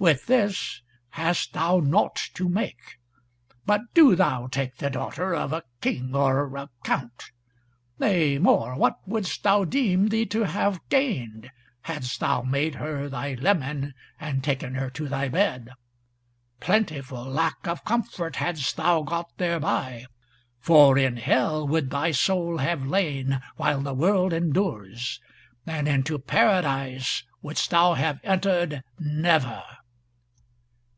With this hast thou naught to make, but do thou take the daughter of a King or a Count. Nay more, what wouldst thou deem thee to have gained, hadst thou made her thy leman, and taken her to thy bed? Plentiful lack of comfort hadst thou got thereby, for in Hell would thy soul have lain while the world endures, and into Paradise wouldst thou have entered never."